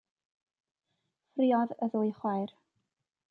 Ffraeodd y ddwy chwaer.